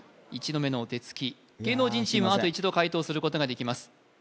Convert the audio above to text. １度目のお手付き芸能人チームはあと１度解答することができます